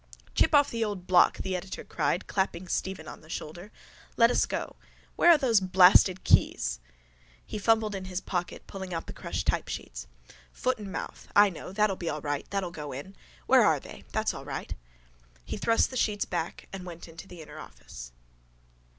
—Chip of the old block! the editor cried, clapping Stephen on the shoulder. Let us go. Where are those blasted keys? He fumbled in his pocket pulling out the crushed typesheets. —Foot and mouth. I know. That'll be all right. That'll go in. Where are they? That's all right. He thrust the sheets back and went into the inner office.